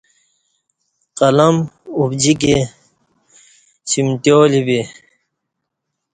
قلم ابجیکی چمتیالی بی